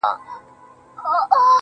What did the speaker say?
o چي څوك تا نه غواړي.